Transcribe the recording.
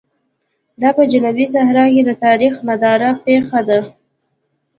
دا په جنوبي صحرا کې د تاریخ نادره پېښه ده.